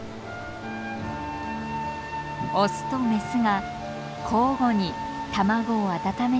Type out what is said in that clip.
オスとメスが交互に卵を温めています。